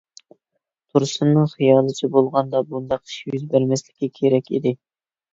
تۇرسۇننىڭ خىيالىچە بولغاندا بۇنداق ئىش يۈز بەرمەسلىكى كېرەك ئىدى.